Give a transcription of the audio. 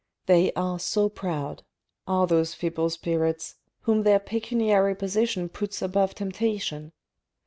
They are so proud, are those feeble spirits, whom their pecuniary position puts above temptation